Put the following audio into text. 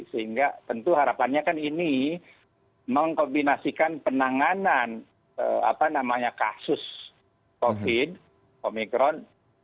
sehingga tentu harapannya kan ini mengkombinasikan penanganan kasus covid sembilan belas omicron